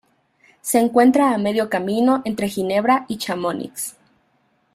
Se encuentra a medio camino entre Ginebra y Chamonix.